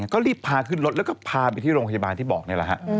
ก็รีบพาขึ้นรถแล้วก็พาไปที่โรงพยาบาลที่บอกนี่แหละฮะ